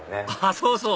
そうそう！